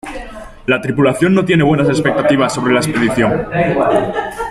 La tripulación no tiene buenas expectativas sobre la expedición.